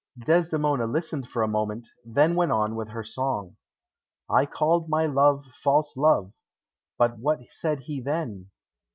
Desdemona listened for a moment, then went on with her song. "I called my love false love; but what said he then?